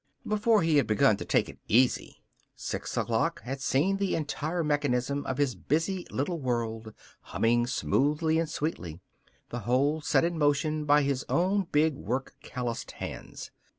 Before he had begun to take it easy, six o'clock had seen the entire mechanism of his busy little world humming smoothly and sweetly, the whole set in motion by his own big work callused hands.